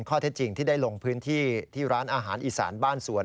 ข้อเท็จจริงที่ได้ลงพื้นที่ที่ร้านอาหารอีสานบ้านสวน